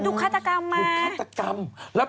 ดูฆาตกรรมมา